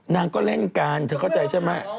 นางก็เล่นกันเธอเข้าใจใช่ไหม